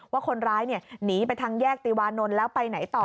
ว่าคนร้ายหนีไปทางแยกติวานนท์แล้วไปไหนต่อ